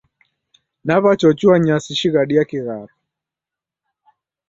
Naw'achochua nyasi shighadi ya kigharo.